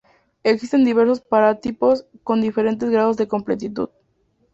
Existen diversos paratipos con diferentes grados de completitud.